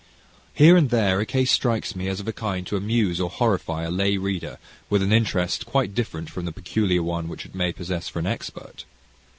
Here and there a case strikes me as of a kind to amuse or horrify a lay reader with an interest quite different from the peculiar one which it may possess for an expert.